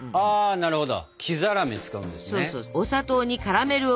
なるほど。